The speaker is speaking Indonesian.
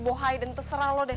bohai dan terserah lo deh